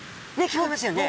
聞こえますよね。